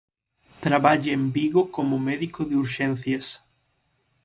Traballa en Vigo como médico de urxencias.